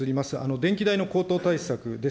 電気代の高騰対策です。